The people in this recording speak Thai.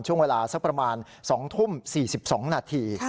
ช่วงเวลาสักประมาณ๒ทุ่ม๔๒นาที